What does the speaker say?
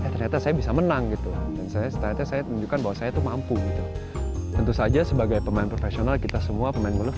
ternyata saya bisa menang gitu dan saya tunjukkan bahwa saya tuh mampu gitu tentu saja sebagai pemain profesional kita semua pemain bola